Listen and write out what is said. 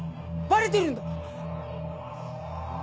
バレてるんだ！